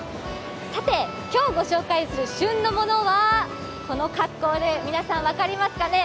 さて、今日ご紹介する旬のものは、この格好で皆さん分かりますかね？